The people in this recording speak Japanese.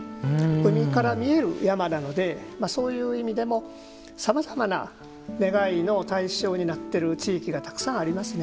海から見える山なのでそういう意味でもさまざまな願いの対象になっている地域がたくさんありますね。